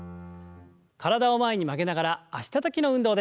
体を前に曲げながら脚たたきの運動です。